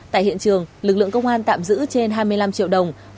tại hiện trường lực lượng công an tạm giữ trên hai mươi năm triệu đồng